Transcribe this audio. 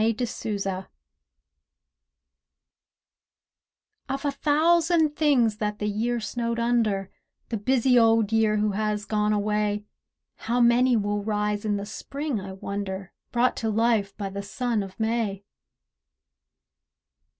SNOWED UNDER Of a thousand things that the Year snowed under— The busy Old Year who has gone away— How many will rise in the Spring, I wonder, Brought to life by the sun of May?